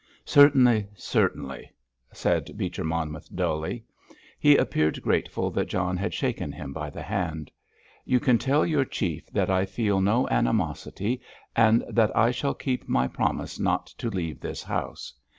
"Certainly, certainly," said Beecher Monmouth dully. He appeared grateful that John had shaken him by the hand. "You can tell your chief that I feel no animosity and that I shall keep my promise not to leave this house.